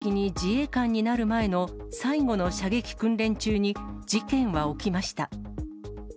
しかし、正式に自衛官になる前の最後の射撃訓練中に事件は起きました。